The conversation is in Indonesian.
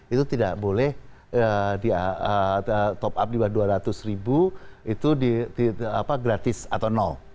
itu tidak boleh top up di bawah dua ratus ribu itu gratis atau nol